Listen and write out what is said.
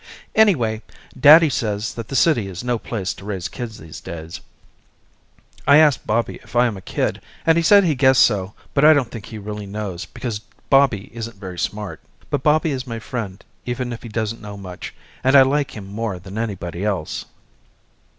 Anyway daddy says that the city is no place to raise kids these days. I asked Bobby if I am a kid and he said he guessed so but I don't think he really knows because Bobby isn't very smart. But Bobby is my friend even if he doesn't know much and I like him more than anybody else.